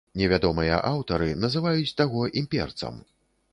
Невядомыя аўтары называюць таго імперцам.